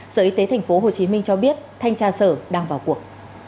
sở y tế tp hcm cho biết thanh tra sở đang vào cuộc